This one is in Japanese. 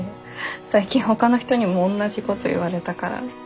最近ほかの人にもおんなじこと言われたから。